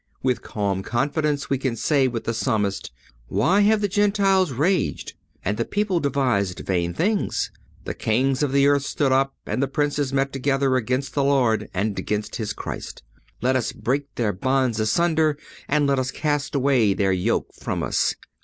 With calm confidence we can say with the Psalmist: "Why have the Gentiles raged, and the people devised vain things? The kings of the earth stood up, and the princes met together, against the Lord, and against his Christ. Let us break their bonds asunder, and let us cast away their yoke from us.